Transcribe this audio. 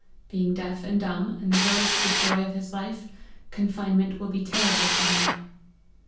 Being deaf and dumb, and the hills the joy of his life, confinement will be terrible to him."